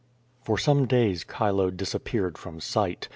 For some days Chilo disappeared from sight.